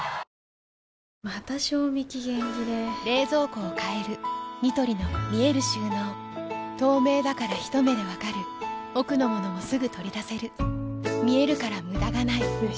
また賞味期限切れ冷蔵庫を変えるニトリの見える収納透明だからひと目で分かる奥の物もすぐ取り出せる見えるから無駄がないよし。